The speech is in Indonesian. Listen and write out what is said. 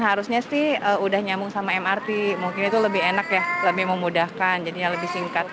harusnya sih udah nyambung sama mrt mungkin itu lebih enak ya lebih memudahkan jadinya lebih singkat